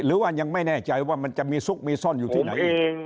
บางทีกินต้องไม่แน่ใจว่ามันจะมีทรุงมีซ่อนอยู่ที่ไหน